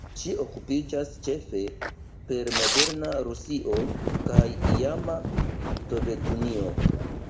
Ŝi okupiĝas ĉefe per moderna Rusio kaj iama Sovetunio.